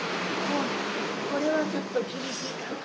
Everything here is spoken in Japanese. これはちょっと厳しいかな。